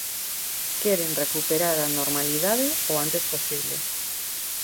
Queren recuperar a normalidade o antes posible.